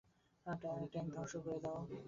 Tank ধ্বংস করে দাও।